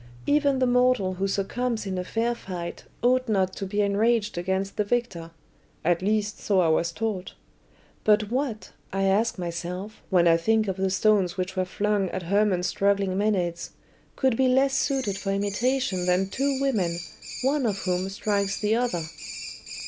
Even the mortal who succumbs in a fair fight ought not to be enraged against the victor. At least, so I was taught. But what, I ask myself, when I think of the stones which were flung at Hermon's struggling Maenads, could be less suited for imitation than two women, one of whom strikes the other?"